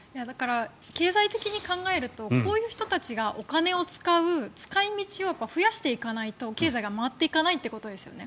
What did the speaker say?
経済的に考えるとこういう人たちがお金を使う使い道を増やしていかないと経済が回っていかないということですね。